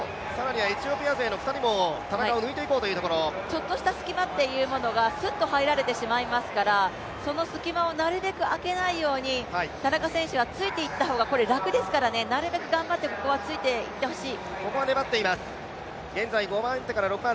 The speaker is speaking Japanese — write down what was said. ちょっとした隙間というものが、すっと入られてしまいますから、その隙間をなるべく空けないように、田中選手はついていった方がこれ楽ですからねなるべく頑張ってここはついていってほしい。